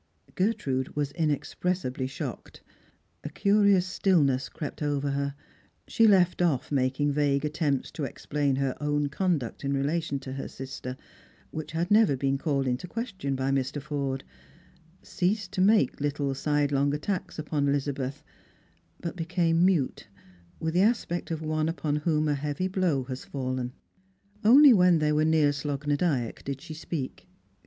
Gertrude was inexpressibly shocked ; a curious stillness crept over her; she left off making vague attempts to explain her own conduct in relation to her sister, which had never been called into question by Mr. Forde ; ceased to make Httle sidelong attacks upon Elizabeth ; but became mute, with the aspect of one upon whom a heavy blow has fallen. Only when they were near Slogh na Dyack did she speak.